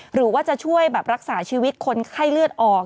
หรือว่าจะช่วยแบบรักษาชีวิตคนไข้เลือดออก